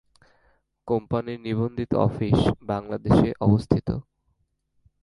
কোম্পানির নিবন্ধিত অফিস বাংলাদেশে অবস্থিত।